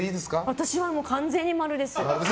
私は完全に○です。